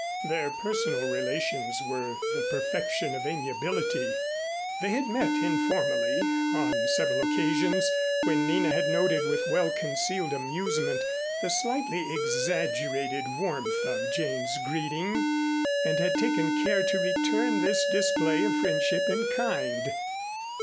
Their personal relations were the perfection of amiability. They had met informally on several occasions when Nina had noted with well concealed amusement the slightly exaggerated warmth of Jane's greeting, and had taken care to return this display of friendship in kind.